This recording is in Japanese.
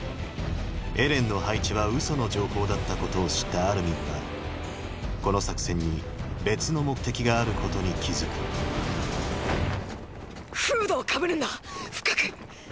エレンの配置はうその情報だったことを知ったアルミンはこの作戦に別の目的があることに気付くフードをかぶるんだ深く。